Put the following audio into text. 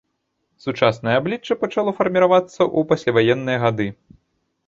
Сучаснае аблічча пачало фарміравацца ў пасляваенныя гады.